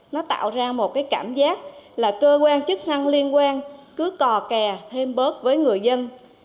nó tạo ra một cái cảm giác là cơ quan chức năng liên quan cứ cò kè thêm bớt với người dân